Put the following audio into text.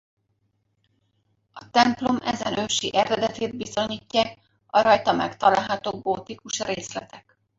A templom ezen ősi eredetét bizonyítják a rajta megtalálható gótikus részletek.